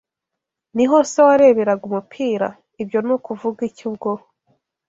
Niho se wareberaga umupira? Ibyo ni ukuvuga iki ubwo